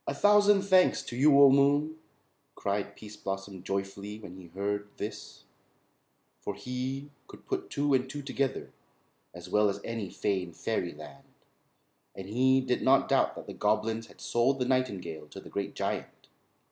"A thousand thanks to you, oh moon," cried Pease Blossom joyfully when he heard this; for he could put two and two together as well as any fay in fairyland, and he did not doubt that the goblins had sold the nightingale to the Great Giant.